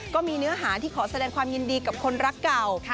ก็มีเนื้อหาที่ขอแสดงความยินดีกับคนรักเก่า